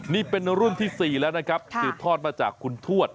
นี่เป็นรุ่นที่๔แล้วนะครับสืบทอดมาจากคุณทวด